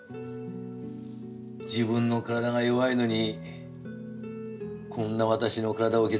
自分の体が弱いのにこんな私の体を気遣って。